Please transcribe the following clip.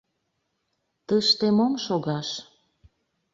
Тыште мом шогаш?